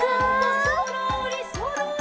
「そろーりそろり」